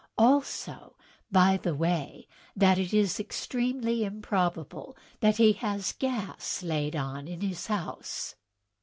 Also, by the way, that it is extremely improbable that he has gas laid on in his house."